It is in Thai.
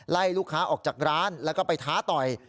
ลูกค้าออกจากร้านแล้วก็ไปท้าต่อย